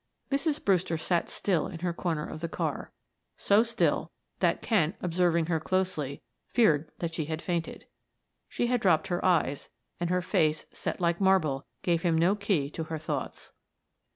Mrs. Brewster sat still in her corner of the car; so still that Kent, observing her closely, feared that she had fainted. She had dropped her eyes, and her face, set like marble, gave him no key to her thoughts.